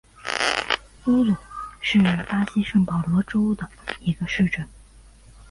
乌鲁是巴西圣保罗州的一个市镇。